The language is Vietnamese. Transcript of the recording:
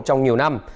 trong nhiều năm